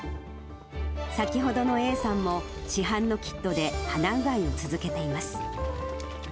先ほどのＡさんも、市販のキットで鼻うがいを続けています。